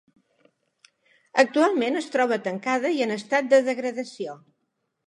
Actualment es troba tancada i en estat de degradació.